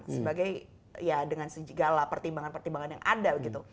sebagai ya dengan segala pertimbangan pertimbangan yang ada gitu